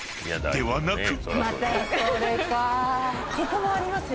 ［ではなく］